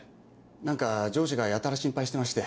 何か上司がやたら心配してまして。